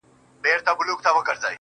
د ظالم لور.